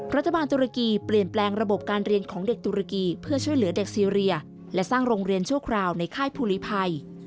รัฐบาลตุรกีเปลี่ยนแปลงระบบการเรียนของเด็กตุรกีเพื่อช่วยเหลือเด็กซีเรียและสร้างโรงเรียนชั่วคราวในค่ายภูลีภัย